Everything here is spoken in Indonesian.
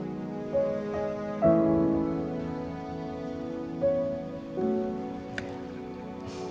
jadi kangen sama ibu